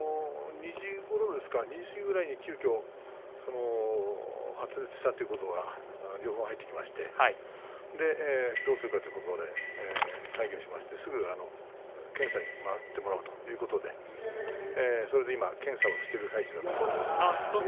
２時ごろですか、２時過ぎぐらいに急きょ発熱したという情報が入ってきましてどうするかということで会議をしましてすぐ検査に回ってもらおうということでそれで今、検査をしている最中だと思います。